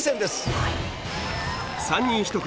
はい。